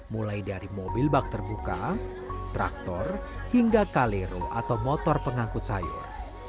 mulai dari mobil bak terbuka traktor hingga kalero atau motor pengangkut sayur